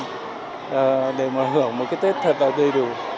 các cháu không có được các điều kiện để mà hưởng một cái tết thật là đầy đủ